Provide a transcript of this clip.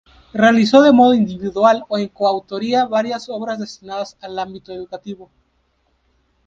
Realizó de modo individual o en coautoría varias obras destinadas al ámbito educativo.